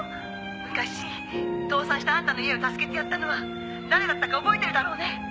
「昔倒産したあんたの家を助けてやったのは誰だったか覚えてるだろうね？」